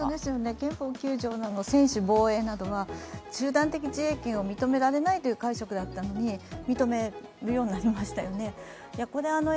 憲法９条の専守防衛などは集団的自衛権を認めないという解釈だったのに、認めるようになりましたよね。